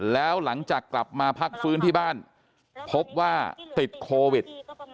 แล้วหลังจากกลับมาพักฟื้นที่บ้านพบว่าติดโควิด